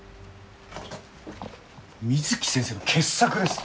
水木先生の傑作です！